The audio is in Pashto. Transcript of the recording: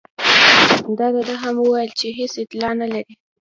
ده دا هم وویل چې هېڅ اطلاع نه لري.